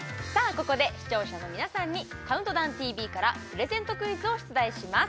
ここで視聴者の皆さんに「ＣＤＴＶ」からプレゼントクイズを出題します